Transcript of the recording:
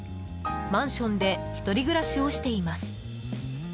マンションで１人暮らしをしています。